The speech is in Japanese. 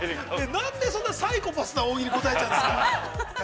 ◆なんでそんなサイコパスな大喜利答えちゃうんですか。